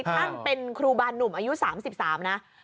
ท่านเป็นครูบานหนุ่มอายุ๓๓นะ